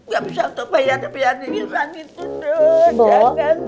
gak bisa untuk bayar depian diiran itu dong